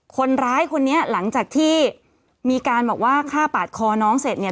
คนร้ายคนนี้หลังจากที่มีการบอกว่าฆ่าปาดคอน้องเสร็จเนี่ย